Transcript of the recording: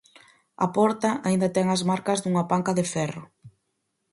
A porta aínda ten as marcas dunha panca de ferro.